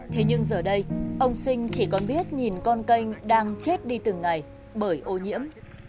thế nhưng giờ đây ông sinh chỉ còn biết nhìn con canh đang chết đi từng ngày bởi ô nhiễm